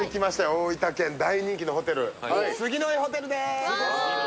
大分県、大人気のホテル、杉乃井ホテルです。